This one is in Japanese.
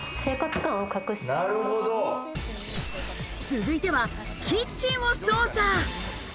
続いてはキッチンを捜査。